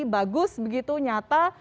bagus begitu nyata